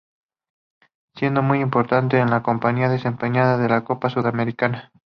Siendo muy importante en la campaña desempeñada en la Copa Sudamericana.